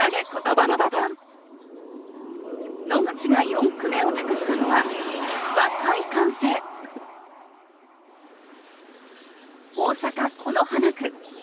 野口が４句目を託したのは大阪・此花区。